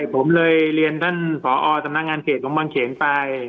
ผมเลยเลียนท่านพอทำงานเกษตร์ตรงวังเขนไป